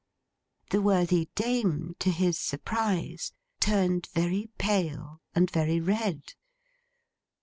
The worthy dame, to his surprise, turned very pale and very red.